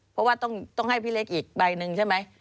เพราะว่าต้องให้พี่เล็กอีกใบหนึ่งใช่ไหม